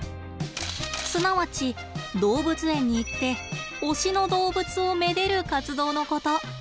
すなわち動物園に行って推しの動物を愛でる活動のこと。